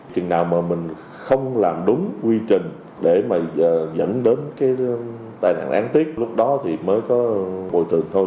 chừng nào mà mình không làm đúng quy trình để mà dẫn đến cái tai nạn đáng tiếc lúc đó thì mới có bồi thường thôi